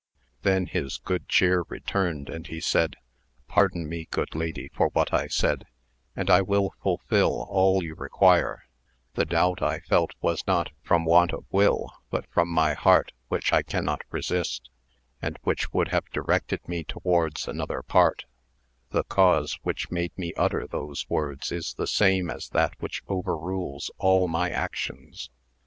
Hien his good cheer returned and he said, Pardon me ;ood lady for what I said, and I will fulfil all you re uire ; the doubt I felt was not from want of will but pom my heart which I cannot resist, and which would ave directed me towards another part; the cause rhich made me utter those words is the same as that '"liich overrules all my actions.